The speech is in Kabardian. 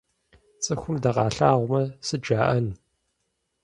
Цӏыхум дыкъалъагъумэ, сыт жаӏэн?